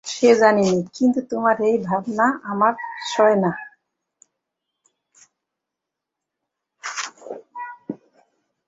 সে জানি নে, কিন্তু তোমার এই ভাবনা আমার সয় না।